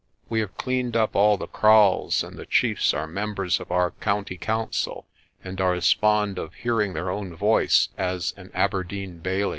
We have cleaned up all the kraals, and the chiefs are mem bers of our county council and are as fond of hearing their own voices as an Aberdeen bailie.